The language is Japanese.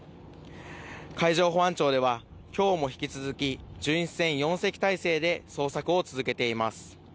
海上保安庁では、きょうも引き続き巡視船４隻態勢で捜索を続けています。